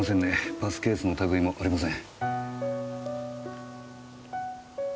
パスケースの類いもありません。